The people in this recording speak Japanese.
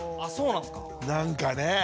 なんかね。